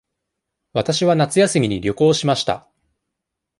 わたしは夏休みに旅行しました。